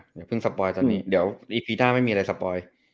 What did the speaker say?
เดี๋ยวพึ่งสปอยจากนี้เดี๋ยวอีกพีท่าไม่มีอะไรสปอย